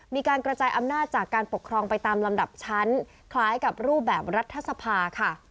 มีการกระจายอำนาจจากการปกครองไปตามลำดับชั้นคล้ายกับรูปแบบรัฐสภาค่ะ